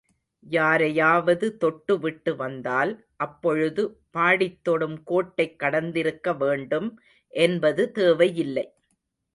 யாரையாவது தொட்டு விட்டு வந்தால், அப்பொழுது பாடித்தொடும் கோட்டைக் கடந்திருக்க வேண்டும் என்பது தேவையில்லை.